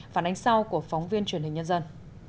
phản ánh sau của phóng viên truyền hình nhân dân